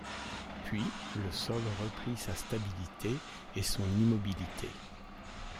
Puis, le sol reprit sa stabilité et son immobilité.